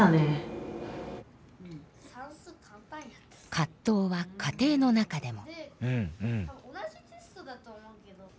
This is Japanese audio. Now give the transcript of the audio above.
葛藤は家庭の中でも。